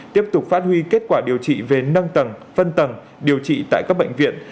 tiếp tục phát huy kết quả điều trị về nâng tầng phân tầng điều trị tại các bệnh viện